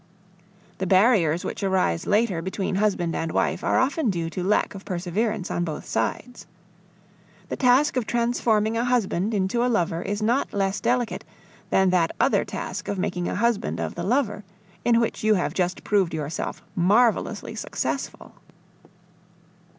The barriers which arise later between husband and wife are often due to lack of perseverance on both sides. The task of transforming a husband into a lover is not less delicate than that other task of making a husband of the lover, in which you have just proved yourself marvelously successful.